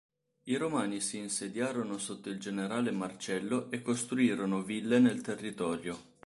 I Romani si insediarono sotto il generale Marcello e costruirono ville nel territorio.